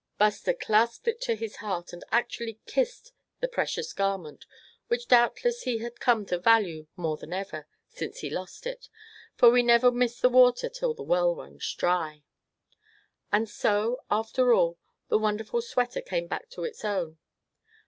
Buster clasped it to his heart, and actually kissed the precious garment, which doubtless he had come to value more than ever, since he lost it, for we "never miss the water till the well runs dry." And so, after all, the wonderful sweater came back to its own.